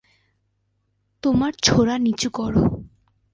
তোমার ছোরা নিচু করো।